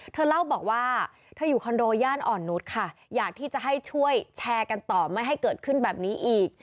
เธอเล่าบอกว่าเธออยู่คอนโดย่านอ่อนนุษย์ค่ะอยากที่จะให้ช่วยแชร์กันต่อไม่ให้เกิดขึ้นแบบนี้อีก